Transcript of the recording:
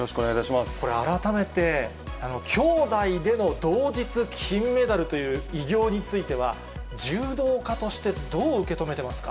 これ改めて、兄妹での同日金メダルという偉業については、柔道家としてどう受け止めてますか？